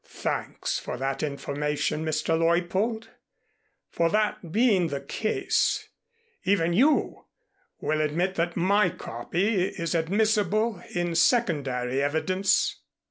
"Thanks for that information, Mr. Leuppold. For that being the case, even you will admit that my copy is admissible in secondary evidence."